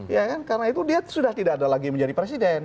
ya kan karena itu dia sudah tidak ada lagi menjadi presiden